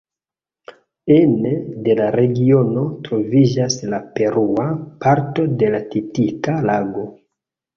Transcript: Ene de la regiono troviĝas la perua parto de la Titikaka-lago.